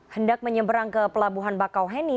hendak menyeberang ke pelabuhan bakauheni